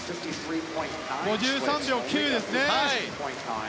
５３秒９でしたね。